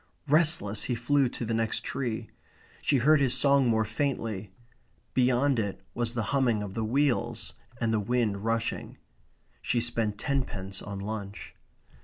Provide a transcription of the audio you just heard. Restless, he flew to the next tree. She heard his song more faintly. Beyond it was the humming of the wheels and the wind rushing. She spent tenpence on lunch.